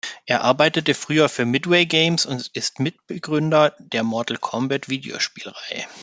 Er arbeitete früher für Midway Games und ist Mitbegründer der Mortal-Kombat-Videospielreihe.